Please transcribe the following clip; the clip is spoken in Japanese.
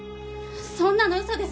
そんなの嘘です！